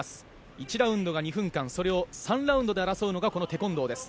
１ラウンドが２分間それを３ラウンドで争うのがこのテコンドーです。